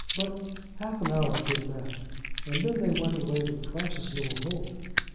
But half an hour did that, and then they went away to Price's Little Holt.